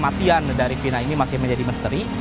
dan memang kasus kematian dari vina ini masih menjadi misteri